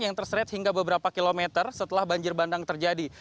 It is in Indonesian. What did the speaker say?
yang terseret hingga beberapa kilometer setelah banjir bandang terjadi